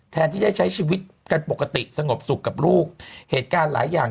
ที่ได้ใช้ชีวิตกันปกติสงบสุขกับลูกเหตุการณ์หลายอย่าง